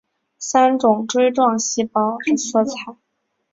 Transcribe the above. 生理原色指人眼三种锥状细胞所看到的色彩。